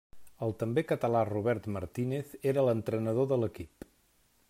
El també català Robert Martínez era l'entrenador de l'equip.